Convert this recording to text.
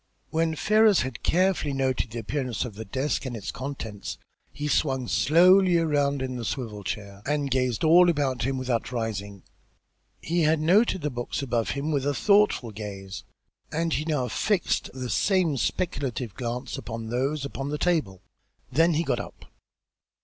When Ferrars had carefully noted the appearance of the desk and its contents, he swung slowly around in the swivel chair and gazed all about him without rising. He had noted the books above him with a thoughtful gaze, and he now fixed that same speculative glance upon those upon the table. Then he got up.